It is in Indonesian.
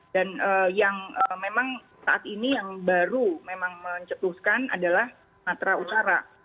dan yang memang saat ini yang baru memang mencetuskan adalah sumatera utara